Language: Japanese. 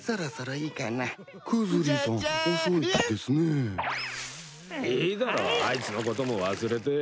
いいだろあいつのことも忘れて。